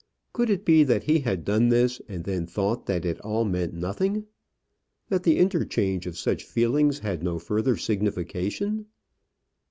Could it be that he had done this and then thought that it all meant nothing? that the interchange of such feelings had no further signification?